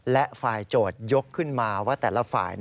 และฝ่ายโจทยกขึ้นมาว่าแต่ละฝ่าย